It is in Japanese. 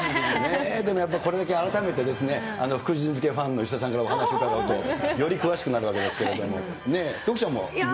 だからこれだけ改めて福神漬けファンの吉田さんからお話伺うと、より詳しくなるわけですけれども、徳ちゃんも行きますか？